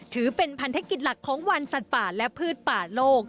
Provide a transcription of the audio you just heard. ถือเป็นพันธกิจหลักของวันสัตว์ป่าและพืชป่าโลก